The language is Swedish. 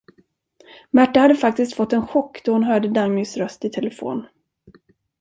Märta hade faktiskt fått en chock då hon hörde Dagnys röst i telefon.